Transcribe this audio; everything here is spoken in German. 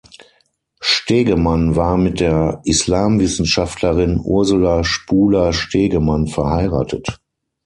Stegemann war mit der Islamwissenschaftlerin Ursula Spuler-Stegemann verheiratet.